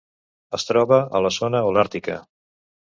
Es troba a la zona holàrtica.